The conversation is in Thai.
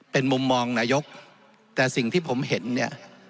เป็นมุมมองนายกแต่สิ่งที่ผมเห็นเนี่ย